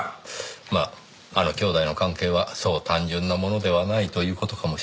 まああの兄弟の関係はそう単純なものではないという事かもしれませんね。